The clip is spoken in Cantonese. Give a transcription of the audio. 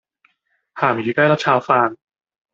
咸魚雞粒炒飯